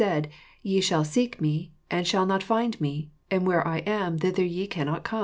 34 Ye shall seek me, and shall not find me: and where I am, thither ye cannot come.